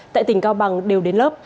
tại tỉnh cao bằng đều đến lớp